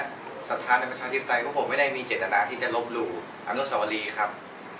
ทุกคนนะครับลักษณะศาสตราภเทศไกรก็ผมไม่ได้มีแจ้นนาที่จะลบลูย์อนุสาวรีครับ